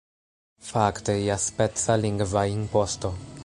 Fakte iaspeca lingva imposto.